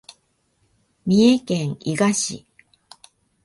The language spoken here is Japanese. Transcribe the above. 三重県伊賀市